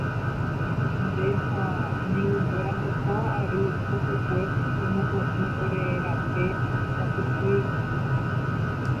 Nde ha ne irũnguéra heta ary pukukue pemopotĩ ore rape itapohýigui.